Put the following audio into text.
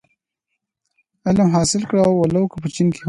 علم حاصل کړی و لو که په چين کي هم وي.